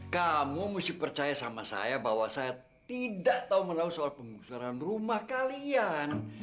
kamu mesti percaya sama saya bahwa saya tidak tahu menau soal penggusuran rumah kalian